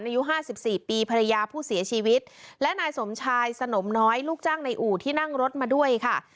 อายุห้าสิบสี่ปีภรรยาผู้เสียชีวิตและนายสมชายสนมน้อยลูกจ้างในอู่ที่นั่งรถมาด้วยค่ะ